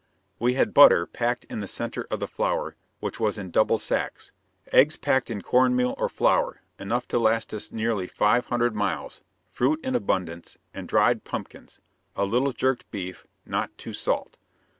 We had butter packed in the center of the flour, which was in double sacks; eggs packed in corn meal or flour, enough to last us nearly five hundred miles; fruit in abundance, and dried pumpkins; a little jerked beef, not too salt.